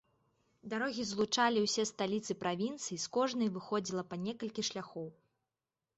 Дарогі злучалі ўсе сталіцы правінцый, з кожнай выходзіла па некалькі шляхоў.